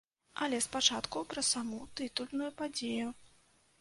Але спачатку пра саму тытульную падзею.